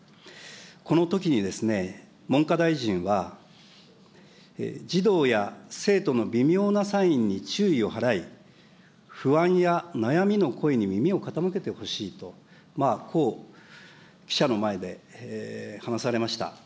このときにですね、文科大臣は、児童や生徒の微妙なサインに注意を払い、不安や悩みの声に耳を傾けてほしいと、こう記者の前で話されました。